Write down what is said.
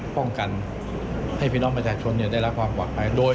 ท่องการให้พี่น้องภาษาชนเนี่ยได้รักความหวังไปโดย